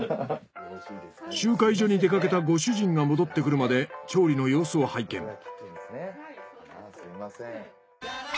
集会所に出かけたご主人が戻ってくるまで調理の様子を拝見。